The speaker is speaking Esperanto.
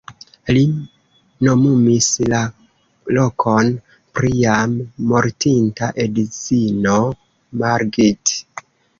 Li nomumis la lokon pri jam mortinta edzino Margit.